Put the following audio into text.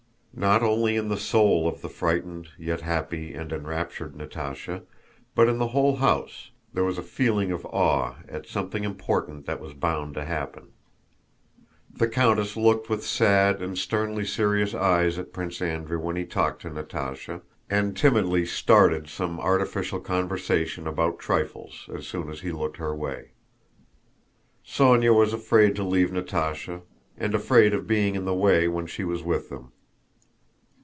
Not only in the soul of the frightened yet happy and enraptured Natásha, but in the whole house, there was a feeling of awe at something important that was bound to happen. The countess looked with sad and sternly serious eyes at Prince Andrew when he talked to Natásha and timidly started some artificial conversation about trifles as soon as he looked her way. Sónya was afraid to leave Natásha and afraid of being in the way when she was with them.